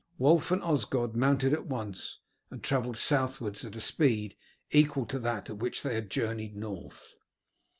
Wulf and Osgod mounted at once, and travelled southwards at a speed equal to that at which they had journeyed north.